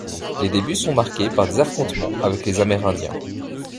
Les débuts sont marqués par des affrontements avec les Amérindiens.